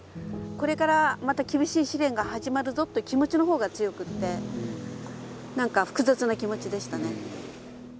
これからまた厳しい試練が始まるぞっていう気持ちの方が強くって何か複雑な気持ちでしたね。